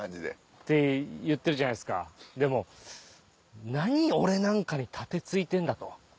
って言ってるじゃないですかでも「何俺なんかに盾突いてんだ」と。